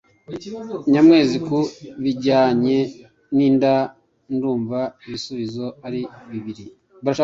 Nyamwezi: Ku bijyanye n’inda, ndumva ibisubizo ari bibiri: